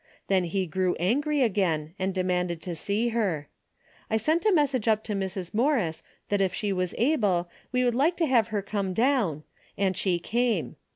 Then he grew angry again and demanded to see her. I sent a mes sage up to Mrs. Morris that if she was able we 108 A DAILY BATEI^ would like to have her come down, and she came.